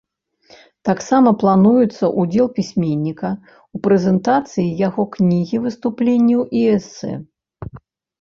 Таксама плануецца ўдзел пісьменніка ў прэзентацыі яго кнігі выступленняў і эсэ.